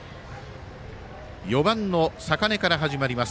４番の坂根から始まります。